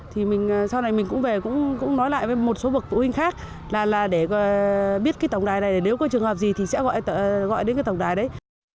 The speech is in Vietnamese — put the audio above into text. thì mình sau này mình cũng về cũng nói lại với một số bậc phụ huynh khác là để biết cái tổng đài này nếu có trường hợp gì thì sẽ gọi đến cái tổng đài đấy